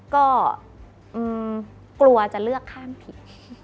ก็กลัวจะเลือกข้ามผิด